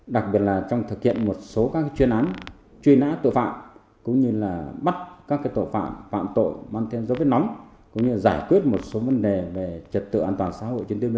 đặc biệt là trong thời kỳ này công an tỉnh lào cai đã phối hợp rất có hiệu quả và rất chặt chẽ với một số các cục nghiệp vụ